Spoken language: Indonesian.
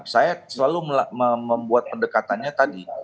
saya selalu membuat pendekatannya tadi